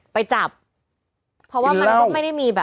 ไปจับเพราะแล้วมันไม่ได้มี